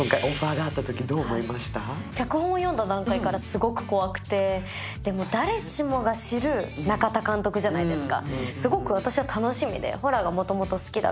脚本を読んだ段階からすごく怖くて、誰しもが知る中田監督じゃないですか。